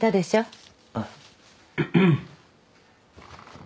うん。